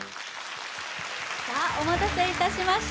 お待たせいたしました。